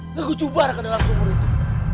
ngekucubar ke dalam sumur itu